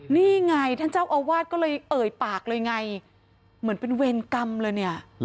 นี่ไงท่านเจ้าอาวาสก็เลยเอ่ยปากเลยไงเหมือนเป็นเวรกรรมเลยเนี่ย